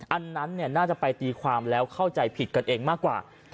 อันนั้นน่าจะไปตีความแล้วเข้าใจผิดกันเองมากกว่า